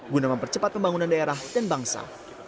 guna mempercepat pembangunan daerah dan bangsa